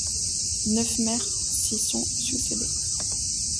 Neuf maires s'y sont succédé.